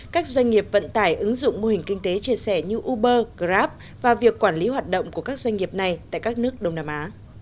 các doanh nghiệp vận tải ứng dụng mô hình kinh tế chia sẻ như uber grab và việc quản lý hoạt động của các doanh nghiệp này tại các nước đông nam á